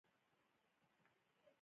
عدل او انصاف په هر کار کې اړین دی.